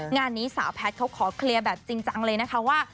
งานนี้สาวแพทย์เขาขอเคลียร์แบบจริงจังเลยนะคะว่า